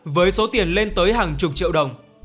với số tiền lên tới hàng chục triệu đồng